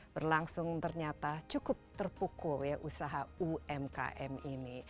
berlangsung ternyata cukup terpukul ya usaha umkm ini